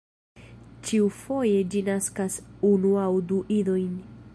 Ĉiufoje ĝi naskas unu aŭ du idojn.